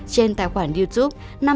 trên tài khoản youtube